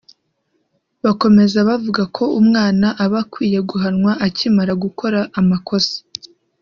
Bakomeza bavuga ko umwana aba akwiye guhanwa akimara gukora amakosa